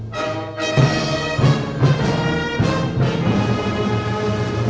lagu kebangsaan indonesia raya